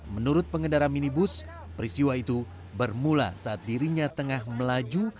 menurut pengendara minibus peristiwa itu bermula saat dirinya tengah melaju